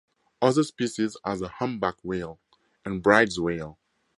Other species are the humpback whale and Bryde's whale.